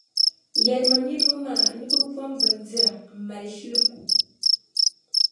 yɛlimi niriba maa ni bɛ bom’ bindira m-mali shili gu.